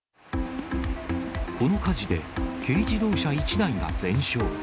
この火事で、軽自動車１台が全焼。